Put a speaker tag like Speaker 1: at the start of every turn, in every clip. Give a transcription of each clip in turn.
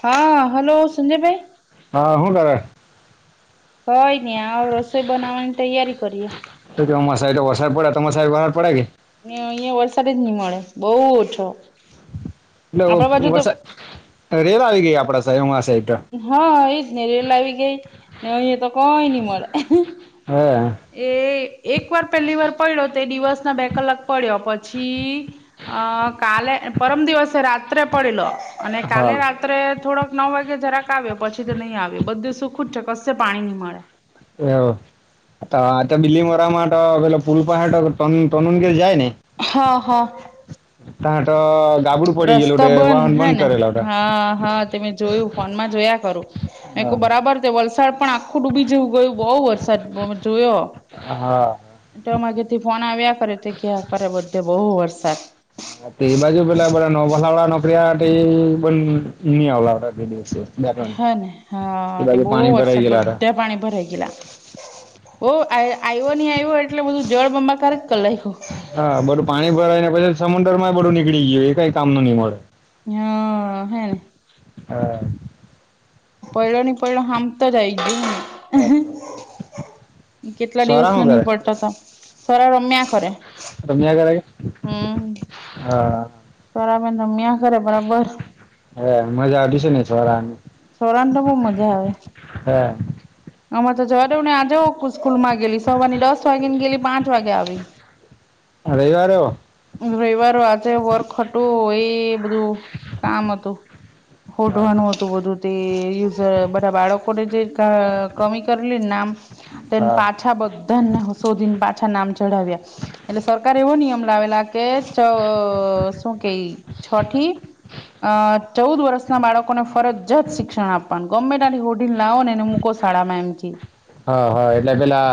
Speaker 1: હા હલો સંજય ભાઈ?
Speaker 2: હા હું કરે?
Speaker 1: કઈની આ રસોઈ બનાવાની તૈયારી કરીએ.
Speaker 2: તો અમાયી સાઇટ ત વરસાદ પડે તમારી સાઈટ વરહાત પડે કે ની?
Speaker 1: ની અહિયાં વરસાદ જ ની મળે બહું ઓછો.
Speaker 2: હલો
Speaker 1: આપડા બાજુ તો
Speaker 2: વરસાદ, રેલ આવી ગેય આપડા શહેમાતે.
Speaker 1: હં એજ ને રેલ આવી ગેય, ને અહીંયા તો કઇ ની મલે.
Speaker 2: હે
Speaker 1: એ એક વાર પેલી વાર પયડો તે દિવસ ના બે કલાક પડ્યો પછી અ કાલે પરમ દિવસે રાત્રે પડેલો, અને
Speaker 2: હા
Speaker 1: કાલે રાત્રે થોડોક નવ વાગે જરાક આવ્યો પછી તો નહીં આવ્યો બધું સુખું જ છે કશે પાણી ની મળે.
Speaker 2: હંઅંઅંઅં [unintelligible] આતો આતો બિલ્લી મોરા માત પેલો પુલ પહેત તનુ ને ઘેર જાય ને.
Speaker 1: હંહ.
Speaker 2: તા ત
Speaker 1: રસ્તો બંધ હે ને હા હા તે મેં જોયું ફોનમાં જોયા કરું. મે
Speaker 2: હતા
Speaker 1: કરું બરાબર તે વલસાડના આખું ડૂબી જેવું ગયું બહુ વરસાદ બો જોયો.
Speaker 2: હા હા
Speaker 1: તો મારા ઘરથી ફોન આવ્યા કરે તે કેયા કરે બધે બોઉ વરસાદ.
Speaker 2: ા એ બાજુ પેલા બધા નવ વલહાળ વાળા નોકરીવાળા તે ની આવા હે દિવસે. બે ત્રણ
Speaker 1: હં હ
Speaker 2: એ
Speaker 1: તે
Speaker 2: બાજુ
Speaker 1: બો
Speaker 2: પાણી ભરાઈ
Speaker 1: વરસાદ
Speaker 2: ગયેલા હતા
Speaker 1: બધ્ધે પાણી ભરાઈ ગેલા. ઓ આય આયવો ની આયવો એટલે બધું જળબ્બાકાર જ કલાયખું.
Speaker 2: હા બધું પાણી ભરાય ને પછી સમુદર માં બધું નીકળી ગયું એ કઈ કામ નું ની મળે.
Speaker 1: હં હેંને.
Speaker 2: હા.
Speaker 1: પડયો ની પયડો હામટો જ આવી ગીયો.
Speaker 2: હા
Speaker 1: કેટલા
Speaker 2: સ્વરા
Speaker 1: દિવસનો
Speaker 2: હું કરે
Speaker 1: ની પડતો હતો, ત સર રમ્યા કરે.
Speaker 2: રમ્યા કરે કે?
Speaker 1: હમ,
Speaker 2: હા
Speaker 1: થોડા રમ્યા કરે બરાબર.
Speaker 2: હા, મજા આવતી સે ને?
Speaker 1: સરાને તો બો મજા આવે.
Speaker 2: હા.
Speaker 1: અમારે તો જવાદેવોની આજે ઓ ક સ્કૂલમાંગેલી સવારની દસ વાગે ની ગેલી આઠ વાગે આવી.
Speaker 2: રવીવારે હો?
Speaker 1: રઇવાર આજે વર્ક હતું એ બધું કામ હતું,
Speaker 2: હા
Speaker 1: હોડવાનું હતું‌. હતું બધું તે યુઝ બધા બાળકોને જે કા કમી કરેલીને નામ તેન પાંચ
Speaker 2: હા
Speaker 1: પાછા બધાન શોધીને પાછા નામ ચઢાવ્યા એટલે સરકારે એવો નિયમ લાવેલા કે ચ શું કેવી છઠી અ ચૌદ વર્ષના બાળકોને ફરજિયાત શિક્ષણ આપવાનું ગમ્મે તાથી હોધીને લાવોને અને મુકો શાળામાં એમ કેય
Speaker 2: હા હા એટલે પેલા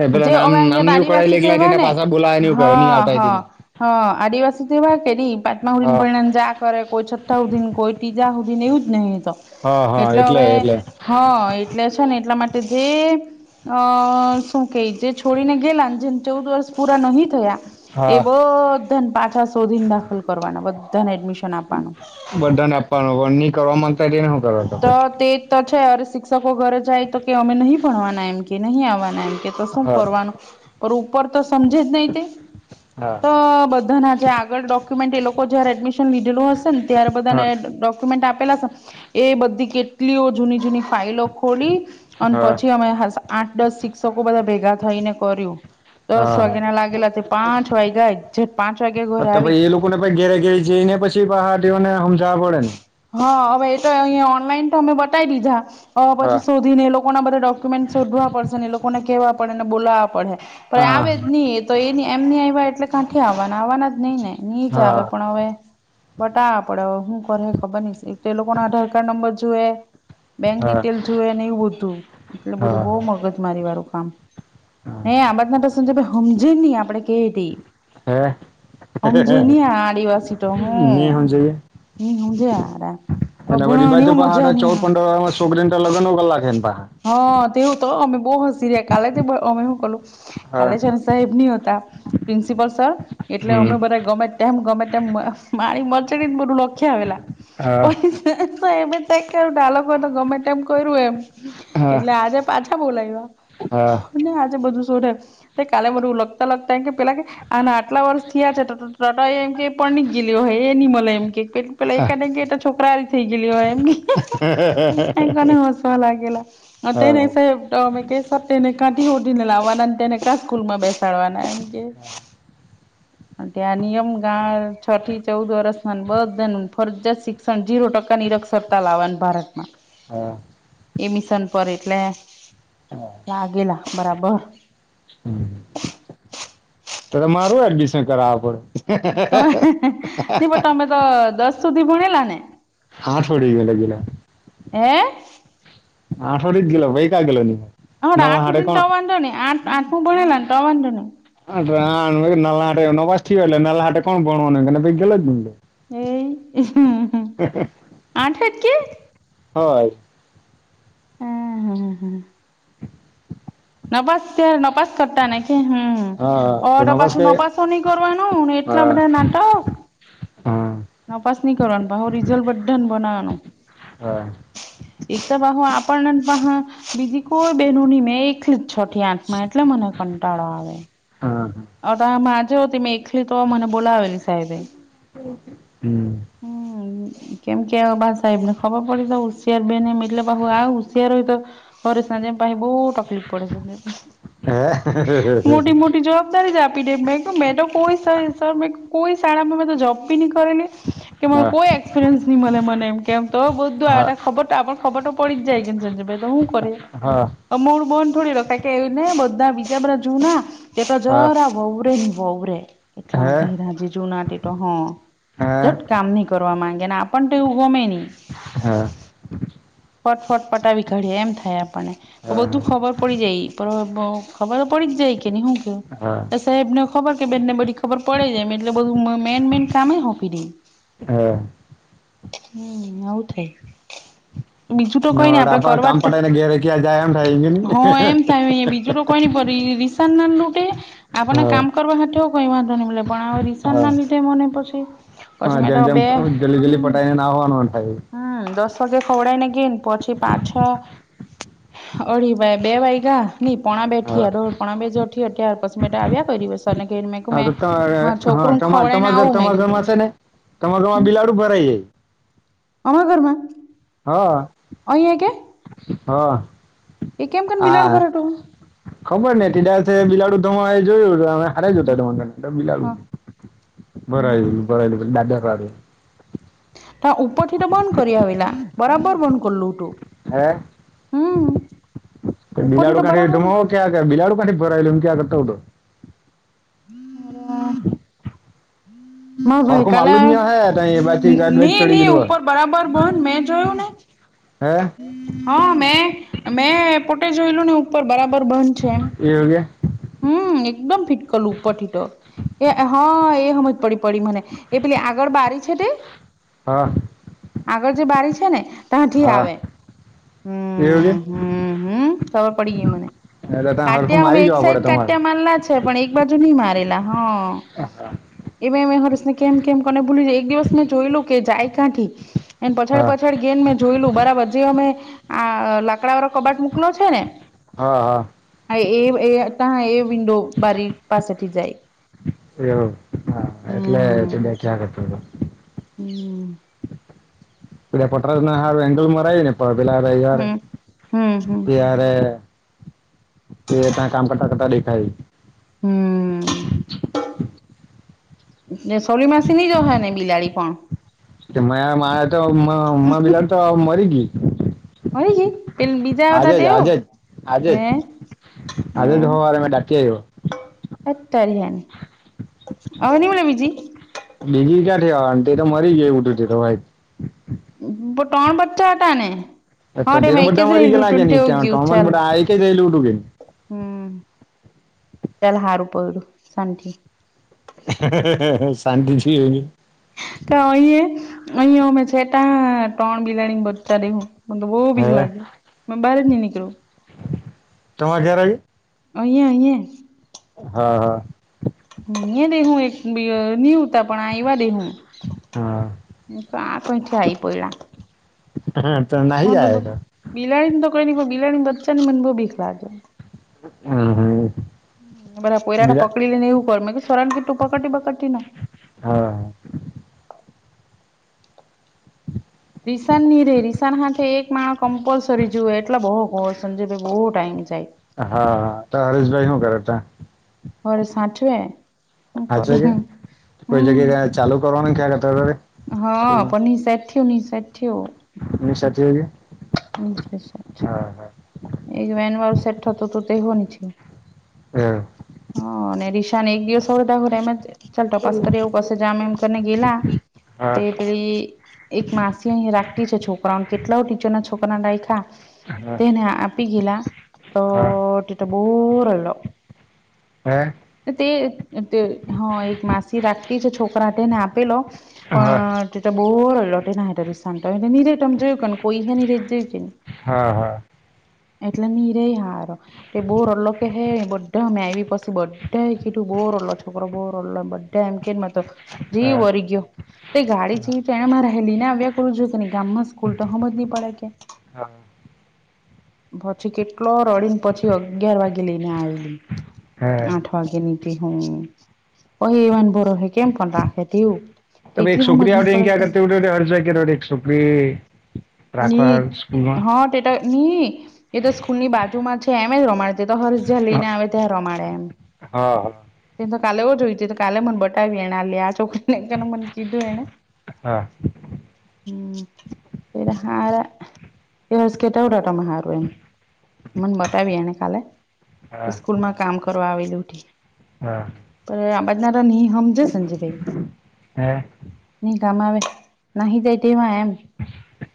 Speaker 2: એ પેલા
Speaker 1: જે
Speaker 2: નામ
Speaker 1: અવે
Speaker 2: નામ
Speaker 1: અયે
Speaker 2: ની ઉકળાય
Speaker 1: બારીવાસી
Speaker 2: એકલા તેને
Speaker 1: તેવાને
Speaker 2: પાછા બોલાય ની
Speaker 1: હ
Speaker 2: કરે ની આવતા તેને
Speaker 1: હ. હ આદિવાસી તો એવા કે
Speaker 2: હા
Speaker 1: [unintelligible] જાક કરે કોઈ છઠ્ઠા હુધીન, કોઈ ત્રીજા હુધીન એવું જ ને અયે તો
Speaker 2: હા હા
Speaker 1: એટલે હવે
Speaker 2: એટલે
Speaker 1: હ એટલે છે ને એટલા માટે જે અ શું કેય જે છોડીને ગેલા જે ચૌદ વર્ષ પૂરા નહી થયા એ
Speaker 2: હા
Speaker 1: બધાને પાછા શોધીને દાખલ કરવાના બધા એડમિશ
Speaker 2: બઘાંને આપવાનો [unintelligible] માંગતા હોય તેને કરો
Speaker 1: તો
Speaker 2: પછી
Speaker 1: તે તો છે અરે શિક્ષકો ઘરે જાય તો કે અમે નહી ભણવાના એમ કે નહી આવવાના એમ એ તો શું
Speaker 2: હા
Speaker 1: કરવાનું પર ઉપર તો સમજે જ નઈ તે
Speaker 2: હા
Speaker 1: તો બધાના જે આ આગળ ડોક્યુમેન્ટ એ લોકો જયારે એડમિશન લીધેલુ હશે ને ત્યારે બધાને
Speaker 2: હા
Speaker 1: ડોક્યુમેન્ટ આપેલા હશે એ બધી કેટલીઓ જૂની જૂની ફાઈલો ખોલી અન
Speaker 2: હા
Speaker 1: પછી અમે હા આઠ, દસ શિક્ષકો બધાં ભેગા થઈને કર્યું. દસ
Speaker 2: હા
Speaker 1: વાગેના લાગેલા તે પાંચ વાગ્યા એકઝેટ પાંચ વાગે ઘરે આવી.
Speaker 2: તે પાહા તેઓને હમજાવા પડે ને?
Speaker 1: હા, હવે એતો અહીયા ઓનલાઈન તો અમે બતાય દીધા હવે
Speaker 2: હા
Speaker 1: પછી શો શોધી ને એ લોકોના બધા ડોક્યુમેન્ટ શોધવા પડશે ને લોકોને કેવા પડેને બોલાવા પડે. પણ આવે
Speaker 2: હા
Speaker 1: જ નઈ એ તો એ એમની આવ્યા એટલે ક્યાંથી આવવાના આવવાના જ નહી ને નીજ આવે
Speaker 2: હા
Speaker 1: પણ અવે બટાવા પડે હું કરહે ખબરની એટેલો આધાર કાર્ડ નંબર જુએ. બેંક
Speaker 2: હા
Speaker 1: ડિટેલ જોવેને એવું બધું એટલે બધું બહુ
Speaker 2: હા
Speaker 1: મગજ મારી વાળું કામ ને આ બાજના સંજયભાઈ હમજે નય જે આપડે કહીએ તે
Speaker 2: હે
Speaker 1: હમજે નય આ આદિવાસી તો હું
Speaker 2: નહી સમજાય
Speaker 1: ની હમજે હારા. ભણવાની મજા નહી આવે
Speaker 2: [unintelligible]
Speaker 1: હ તેઓ તો અમે બહ હસીરીયા કાલે તો અમે શું કલું
Speaker 2: હા
Speaker 1: કાલે છે ને સાહેબની હતા પ્રિન્સિપલ સર એટલે
Speaker 2: હમ
Speaker 1: અમે બધાં ગમે ગમે તેમ માળી મચેડીને બધુ લખીયાવેલા
Speaker 2: હા
Speaker 1: પણ તો એમે થાય કે આ લોકો તો ગમે એમ કર્યું એમ
Speaker 2: હા
Speaker 1: એટલે આજે પાછા બોલાવ્યા
Speaker 2: હા.
Speaker 1: ને આજે બધું સોઢે કાલે બધું લખતા લખતા કે પેલા કેય આના આટલા વર્ષ થયા છે તો એમ કે પરણી ગયેલો હે એની મલે એમ કેય. પેલા
Speaker 2: હા
Speaker 1: એકાદને છોકરા થઈ ગયેલી હોય એમ કને હસવા લાગે. [unintelligible]
Speaker 2: હા
Speaker 1: તમે કહેશો તેને કાંથી હોધીને લાવવાના તેને કા સ્કૂલમાં બેસાડવાના એમ કે અને ત્યાં નિયમ ગાળ છ થી ચૌદ વર્ષ બધા ફરજિયાત શિ જીરો ટકા નીરક્ષરતા લાવવાનુ ભારતમાં.
Speaker 2: હા.
Speaker 1: એમિશન પર એટલે
Speaker 2: હા.
Speaker 1: આગેલા બરાબર.
Speaker 2: તો, મારું એડમિશન કરાવા પડે.
Speaker 1: તમે પણ તમે તો દસ સુધી ભણેલા ને?
Speaker 2: આઠવાડી ગેલો ગેલા,
Speaker 1: હે
Speaker 2: આઠવાડડી જ ગેલો ભાઈ ક ગેલો. નલા
Speaker 1: આઠ
Speaker 2: હાટે
Speaker 1: સુધીન
Speaker 2: કોણ
Speaker 1: તો [unintelligible]
Speaker 2: હ નાલા હા નપાસ થેલા નાલા હાથે કોણ ગેલો જ ની.
Speaker 1: એ આઠજ કે?
Speaker 2: હા.
Speaker 1: હમ હમ હા.
Speaker 2: [inaudible]
Speaker 1: નપાસ નપાસ કરતા નને કે હમ.
Speaker 2: હા હા તો
Speaker 1: ઓડર
Speaker 2: નવાસ
Speaker 1: પાછું
Speaker 2: કે
Speaker 1: નપાસો નહી કરવાનું એટલા
Speaker 2: હા
Speaker 1: બધા નાટક.
Speaker 2: હા.
Speaker 1: ના પાસ નહી કરવાનું ભાવ રિઝલ્ટ બધા ને બનાવવાનું.
Speaker 2: હા.
Speaker 1: એક તો બાહુ આપણને બીજી કોઈ, બનો નહી મેં એક એકલી છોટી આંઠ માં એટલે મને કંટાળો આવે.
Speaker 2: હ હા.
Speaker 1: અ માજ હોતી મેં એકલી તો મને બોલાવેલી સાહેબે.
Speaker 2: હમ
Speaker 1: હમ. કેમ કે આ બાસ સાહેબને ખબર પડી તો ઉશિયાર બેન મીલે બાહુ આ ઉશિયાર હોય તો હરે સા જેમ ભ બહ તકલીફ પડે છે,
Speaker 2: હે
Speaker 1: મોટી મોટી જ તારી જ આપી દે મેં મેં તો કોઈ સર મે કોઈ શાળામાં મેં તો જબ બી નહી કરેલી. કે મારો
Speaker 2: હા
Speaker 1: કોઈ એક્સપિરિયન્સ નહીં મળે મને એમ કેમ તો બધું
Speaker 2: હા
Speaker 1: આ ખબર તો આપ પણ ખબર તો પડી જાય કેને સંજયભાઈન. દહું કર
Speaker 2: હા.
Speaker 1: અમળ બોંધ થોડી રખ કે ને બધા બીજા બધા જૂના, એ પ
Speaker 2: હા
Speaker 1: જરા આવ વવરેે વવરેે
Speaker 2: હે
Speaker 1: એટલા
Speaker 2: હા
Speaker 1: ધીરાજીજુ નાટી તો હ. કામ નહીં કરવા માંગે ને આપણ તો એવું ગમે નહી.
Speaker 2: હા.
Speaker 1: ફટફટ પટાાવી કાઢએ એમ થાય આપણને,
Speaker 2: હા
Speaker 1: તો
Speaker 2: હા
Speaker 1: બધું ખબર પડી જાય. ખબર પડી જઈ કે ન હું કે
Speaker 2: હા
Speaker 1: તો સાહેબને ખબર કે બે ને બધી ખબર પડે જાયમ એટલે બધું મેન મેઈન કામ હો ફીરી.
Speaker 2: હા.
Speaker 1: હમ આવું થાય. બીજું તો કોઈ નઈ આપડે
Speaker 2: નવડા પર
Speaker 1: કરવા
Speaker 2: કામ
Speaker 1: જ
Speaker 2: પટાઈને ઘેરે ક્યાં જાય એમ થાય છે ને
Speaker 1: હો એમ થાય બીજું તો કોઈ નઈ સનાન રૂટે. આપણેને
Speaker 2: હા
Speaker 1: કામ કરવા હાથેું કહીવાંધો નને બ પણ રિસન
Speaker 2: હા
Speaker 1: ના લીધે મને પછી. પછી
Speaker 2: હા
Speaker 1: મેં
Speaker 2: જેમ
Speaker 1: તો
Speaker 2: જેમ
Speaker 1: બે
Speaker 2: જલ્દી જલ્દી પટાઈીને ના હોવાનુંન થાય.
Speaker 1: હમ દસ વાગે ખવડાયને ગીન પછી પાછ અઢી ભાઈ બે વાઈ ગા નહી પોણા
Speaker 2: હા
Speaker 1: બેઠીયા દો પોણા બે જોઠી ત્યાર પછી મ આવ્યા કોઈ દિવસ. ને કને મેં ક
Speaker 2: હા તો
Speaker 1: મેં,
Speaker 2: ત
Speaker 1: છોકરું ખવડ ને આવું મેં કીધું.
Speaker 2: તમારે ઘમાં બિલાડુ ભરાય જાય.
Speaker 1: અમા ઘરમાં.
Speaker 2: હા.
Speaker 1: અહીંયા કે?
Speaker 2: હા.
Speaker 1: એ કેમ કે બિલાડ
Speaker 2: હા
Speaker 1: ભઠો?
Speaker 2: ખબર ને ટીડાસે બિલાડુ ધમાવા એ જોયું હતુંમે. જોતા બિલાલ,
Speaker 1: હા
Speaker 2: ભરાયેલું ભરાયેલું દાર.
Speaker 1: ત ઉપર થી તો બંધ કરી આવેલા બરાબર બંધ કરલું તું.
Speaker 2: હે?
Speaker 1: ઉપરથી
Speaker 2: બિલાાડુ
Speaker 1: તો
Speaker 2: કાઢી
Speaker 1: બરાબર
Speaker 2: તમ આ બલાડ ક એમ આઉ
Speaker 1: બ [unintelligible]
Speaker 2: ફરખ
Speaker 1: કાલે
Speaker 2: માલુ ન હે ત એ બાછ ગાડજ
Speaker 1: ની
Speaker 2: ચડી
Speaker 1: ની
Speaker 2: ગું હો.
Speaker 1: ઉપર બરાબર બંધ મેં જોયું ને
Speaker 2: હા.
Speaker 1: હા મેં, મેં પોતે જોયેલું ને ઉપર બરાબર બંધ છે એમ.
Speaker 2: એવુ કે?
Speaker 1: હમ એકદમ ફિટકલું ઉપરથીટ, એ હા એ સ મ પડી પડી મને, એ પેલી આગળ બારી છે તે.
Speaker 2: હા.
Speaker 1: આગળ જે બારી છે ને, ત્યાંઠી
Speaker 2: હા
Speaker 1: આવે.
Speaker 2: એવું
Speaker 1: હમ
Speaker 2: કે
Speaker 1: હ હમ ખબર પડી ગઈ મને,
Speaker 2: એટલે ત્યાં
Speaker 1: કટ
Speaker 2: હરખું મારી
Speaker 1: એકસ
Speaker 2: જવા
Speaker 1: ટ
Speaker 2: પડે તમારે
Speaker 1: મારલા છે પણ એક બાજુ નહી મારેલા હા. એ અમે હર્શને કેમ કેમ કોને ભૂલી એક દિવસ મેં જોઈ લો કે જાય કાંઠી. એને પછાડ
Speaker 2: હા
Speaker 1: પછાડ ગેન મેં જોય લું બરાબર જે મેમે, આ લાકડા વાર કબાટ મોકલો છે, ને
Speaker 2: હા હા
Speaker 1: એ હ એ વિન્ડો બારી પાસે જાય.
Speaker 2: એવું હા એટલે
Speaker 1: હમ
Speaker 2: ત ક્યાં કરતો હતો.
Speaker 1: હમ.
Speaker 2: પે પટરાસ ના સારું એંગલ મરા આવી ને પણ પેલા ભ યાર
Speaker 1: હમ હમ હમ
Speaker 2: તાર. સ ત કામ કટા કટા લેખાય.
Speaker 1: હમ. સોર માસી ની જ હોય ને બિલાડી પણ?
Speaker 2: મા મા તો પલાને તો મરી ગયું.
Speaker 1: હો ન પ બજા ત
Speaker 2: આજે જ
Speaker 1: તેઓ
Speaker 2: આજે જ
Speaker 1: હ હ?
Speaker 2: ડાકી આવ્યો.
Speaker 1: અતારી હની, હવેની મળ બીજી?
Speaker 2: બીજી ક્યાંઠવા તે તો મરી ગય ઉટું તે તો વાઈટ.
Speaker 1: પટોણ બચા હટાને?
Speaker 2: એને બા મરી ગેલાાગે
Speaker 1: ગયું
Speaker 2: ત્યા
Speaker 1: ચાલ
Speaker 2: બધા આ એક કે જયું ઉઠું કેે.
Speaker 1: હમ, ચાલ સારું પડડ્યું શાંતિ.
Speaker 2: શાંતિ છે એની.
Speaker 1: કે અહી, અમે છેટા ત્રણ બિલાડી બચતા રેહું. મ તો બહુ ભીખ લાગી, મે બહાર જ ન નીકલું.
Speaker 2: તમા ગ્યારજ કે?
Speaker 1: અહીંયા આય અહીંયા.
Speaker 2: હા હા.
Speaker 1: મે ને હું ન્યૂ તા પણ આવવા દેહુ
Speaker 2: હા
Speaker 1: આ કઈથી આયી પડ્યા.
Speaker 2: હા તો નહી જાય એ તો.
Speaker 1: બિલાડી ને તો કંઇ નહીં બિલાડીની બચ્ચાને મન બોવ બીક લાગે.
Speaker 2: હ હા.
Speaker 1: અમારા પોરિયાને પકડી લે ને એ કર મે કીધું સરન કે તું પકડટી બકડ તી ન.
Speaker 2: હા.
Speaker 1: રિસાન નની રે રિસાન હાથે એક માણ કમ્પલસરી જુએ એટલે બહુ કો સમજ ભ બહુ ટાઈમ જાય.
Speaker 2: હા તો હરેશભાઈ શું કરે હતા.
Speaker 1: હરેશ હાચવે.
Speaker 2: હા છો કે કોઈ જગ્યા ચાલુ કરવા ન ક્યાત.
Speaker 1: હા પણ નિ સેટ થ્યો ની સેટ થ્યો.
Speaker 2: એ સાચવે છે.
Speaker 1: [unintelligible]
Speaker 2: હા હા.
Speaker 1: એક વેનવાળું સેટ થતું તે હોની છે.
Speaker 2: હમ.
Speaker 1: હ અને રીશા ને એક દિવસ એમ ચાલ તપાસ કરી એવું પસે જામ એમ કરીને ગેલા. તે
Speaker 2: હા
Speaker 1: પેલી એક માસી અહી રાખતી છે છોકરાઓને કેટલા ટીચર ના છોકરાના રાખ્યા તેને પાકી ગયેલા તો
Speaker 2: હા હા
Speaker 1: તું તો બોવ રયલો.
Speaker 2: હે
Speaker 1: તે હ એક માસી રાખતી છે છોકરાને આપેલો
Speaker 2: હા
Speaker 1: પણ [unintelligible]
Speaker 2: હા હા
Speaker 1: એટલે ની રે હારો એ બહુ રલો કે હે બધા મેરી બાકી બધા એ કીધું બોર અ છોકરો બોર અવલો બધા એમ કે માર તો જીવ
Speaker 2: હા.
Speaker 1: બળી ગયો. તે ગાડી
Speaker 2: હા.
Speaker 1: જઈ તો એને મા રહેલી ને આવ્યા કરું જો કે ન ગામમાં સ્કૂલ તો હમ જ નહી પડે કે
Speaker 2: હા.
Speaker 1: પછી કેટલો રડીને પછી અગિયાર વાગે લઈ ને આવેલી
Speaker 2: હા.
Speaker 1: આઠ વાગે નીતી હું એવા ન ભરોહે કેમ પણ રાખે તેવું
Speaker 2: ત એક
Speaker 1: એટલી હમજ
Speaker 2: છોકરી
Speaker 1: નહી
Speaker 2: આવડે
Speaker 1: પડે
Speaker 2: ક્યાં
Speaker 1: કે
Speaker 2: કરતી હર્ષ કર એક છોકરી રાખવા
Speaker 1: ની
Speaker 2: સ્કૂલમાં
Speaker 1: હા તેટ હ એ તો સ્કૂલની બાજુમાં છે એમ જ રમાડ તે તો હર્ષ
Speaker 2: હા
Speaker 1: જલીને આવે ત્યાર રમાડે એમ.
Speaker 2: હા.
Speaker 1: એતો કાલે જોયઈ ત તો કાલે મને બતાવી એના લ આ છોકરીને મને કીધું એને
Speaker 2: હા
Speaker 1: હમ. તે હારા તેસ કેટ ઉડાટમાં હાર તો એમ મને બતાવી એને કાલે
Speaker 2: હા.
Speaker 1: સ્કૂલમાં કામ કરવા આવેલ ઉઠી
Speaker 2: હા.
Speaker 1: પણ આ બાજના નય હમજે સંજયભાઈ.
Speaker 2: હે
Speaker 1: નહી કામ આવે નહી જાય તેવા એમ.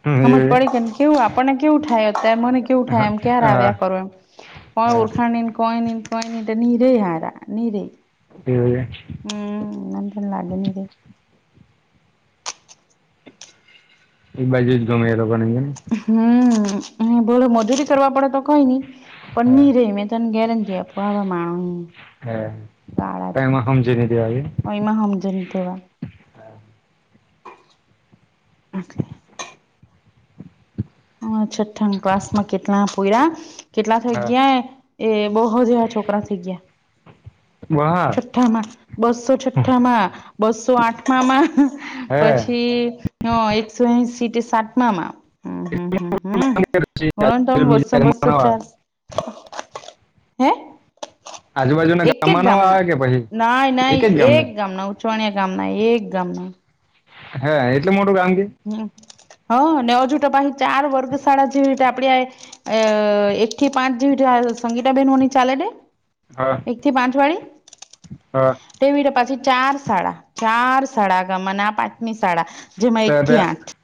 Speaker 2: હમ,
Speaker 1: હમજ
Speaker 2: એ
Speaker 1: પડી કેને કેવું આપણને કેવું થાય અત્યારે મને કેવું
Speaker 2: હા
Speaker 1: થાય એમ ક્યારે
Speaker 2: હા
Speaker 1: આવ્યા કરો એમ. કોઈ
Speaker 2: હા
Speaker 1: ઓળખા નય કોઈ નય કોઈ તો નીરે હારા નિનીરે.
Speaker 2: [unintelligible]
Speaker 1: હમ્મ નાંધ લાગે ન તે
Speaker 2: એ બાજુ જ ગમે એ લોકો ને ને
Speaker 1: હમ્મ હમ્મ ભોલો મધુરી કરવા પડે તો કઈની
Speaker 2: હા
Speaker 1: પની રહી મેં તને ગેરંટી આપું આવા માણો
Speaker 2: હ ક એમાં સમજીને દેવાવે
Speaker 1: ઓ એમાં હમજીન દેવા એટલે હ છઠ્ઠા ના ક્લાસમાં કેટલા પોયરા કેટલા થઈ
Speaker 2: હા.
Speaker 1: ગયા એ બહુ [unintelligible] છોકરા થઈ ગયા
Speaker 2: બહા
Speaker 1: છઠ્ઠામાં બસો છઠ્ઠામાં બસો આઠઠામાં
Speaker 2: હે
Speaker 1: પછી હ એકસો એસી તે સાતમા માં હમ્મ, હમ્મ, હમ્મ ગણ તો બસો બસસો
Speaker 2: ગામમાં ન આવે.
Speaker 1: ચાર હે
Speaker 2: આજુ
Speaker 1: એક એક ગામના ના ના
Speaker 2: જ ગામને
Speaker 1: એક ગામ ના ઉછવાણીયા ગામ ના એક ગામના
Speaker 2: હે એટલે મોટું કામ કે
Speaker 1: હમ્મ હ ને હજુ તો પછી ચાર વર્ગ શાળા જેવી તે આપડી આય અહ એક થી પાંચ જેવી ટ્રાયલ સંગીતાબેનો ની ચાલે ને
Speaker 2: હા
Speaker 1: એક થી પાંચ વાળી
Speaker 2: હા
Speaker 1: તેવીડ પાછી ચાર શાળા ચાર શાળા ગમના પાંચમી શાળા
Speaker 2: તો
Speaker 1: જેમાં એકથી
Speaker 2: તો
Speaker 1: આઠ